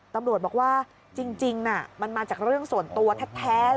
ตำรวจบอกว่าจริงมันมาจากเรื่องส่วนตัวแท้